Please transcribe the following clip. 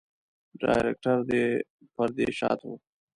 ډايرکټر د پردې شاته وي.